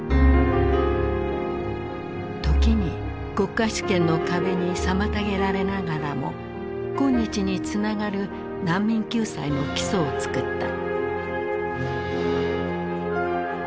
時に国家主権の壁に妨げられながらも今日につながる難民救済の基礎を作った。